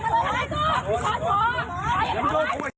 ไอ้แจ้งมาด้วย